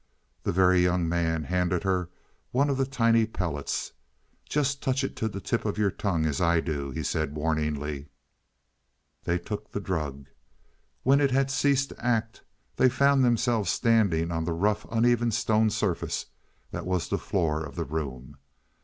The Very Young Man handed her one of the tiny pellets. "Just touch it to the tip of your tongue as I do," he said warningly. They took the drug. When it had ceased to act, they found themselves standing on the rough uneven stone surface that was the floor of the room.